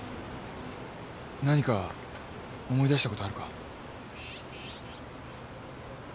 何か思い出したことあるか？